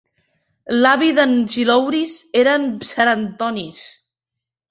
L'avi d'en Xilouris era en Psarantonis.